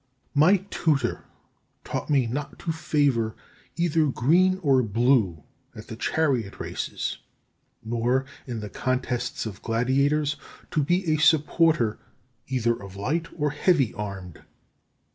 5. My tutor taught me not to favour either green or blue at the chariot races, nor, in the contests of gladiators, to be a supporter either of light or heavy armed.